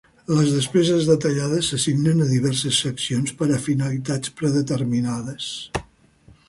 Les despeses detallades s'assignen a diverses seccions per a finalitats predeterminades.